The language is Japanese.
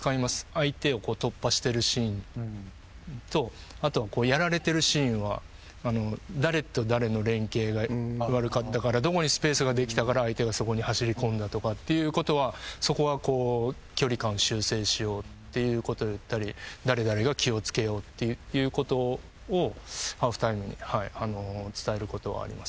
相手を突破してるシーンとあとはやられてるシーンは誰と誰の連携が悪かったからどこにスペースができたから相手がそこに走り込んだとかっていうことはそこは距離感を修正しようっていうこと言ったり誰々が気を付けようっていうことをハーフタイムに伝えることはありますね。